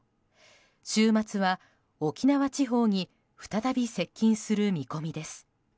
週末は沖縄地方に再び接近する見込みです。